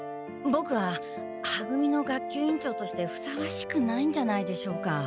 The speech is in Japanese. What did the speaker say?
ボクはは組の学級委員長としてふさわしくないんじゃないでしょうか。